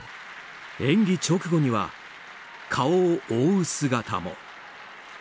演技直後には、顔を覆う姿も。